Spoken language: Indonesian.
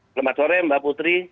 selamat sore mbak putri